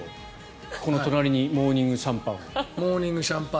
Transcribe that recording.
この隣にモーニングシャンパン。